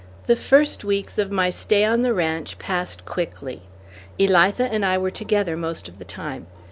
The first weeks of my stay on the ranch passed quickly. Elitha and I were together most of the time.